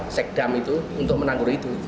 seg dam itu untuk menanggul itu